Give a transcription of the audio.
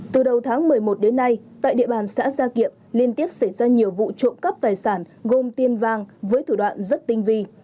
từ đầu tháng một mươi một đến nay tại địa bàn xã gia kiệm liên tiếp xảy ra nhiều vụ trộm cắp tài sản gồm tiền vàng với thủ đoạn rất tinh vi